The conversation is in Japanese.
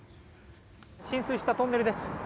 浸水したトンネルです。